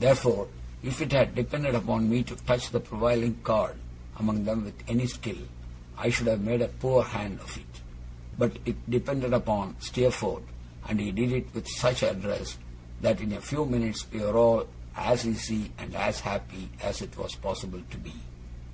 Therefore, if it had depended upon me to touch the prevailing chord among them with any skill, I should have made a poor hand of it. But it depended upon Steerforth; and he did it with such address, that in a few minutes we were all as easy and as happy as it was possible to be.